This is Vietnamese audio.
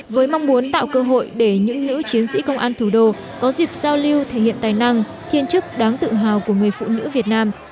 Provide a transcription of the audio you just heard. với mong muốn tạo cơ hội để những nữ chiến sĩ công an thủ đô có dịp giao lưu thể hiện tài năng thiên chức đáng tự hào của người phụ nữ việt nam